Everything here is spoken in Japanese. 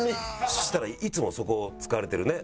そしたらいつもそこを使われてるね